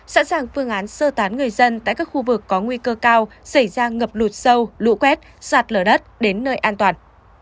sẵn sàng phương án sơ tán người dân tại các khu vực có nguy cơ cao xảy ra ngập lụt sâu lũ quét sạt lở đất đến nơi an toàn